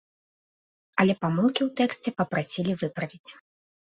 Але памылкі ў тэксце папрасілі выправіць.